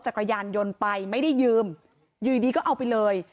จักรยานยนต์ไปไม่ได้ยืมอยู่ดีก็เอาไปเลย